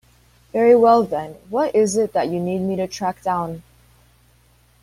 Very well then, what is it that you need me to track down?